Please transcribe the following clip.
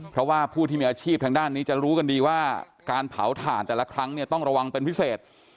เพราะว่าผู้ที่มีอาชีพทางด้านนี้จะรู้กันดีว่าการเผาถ่านแต่ละครั้งเนี่ยต้องระวังเป็นพิเศษ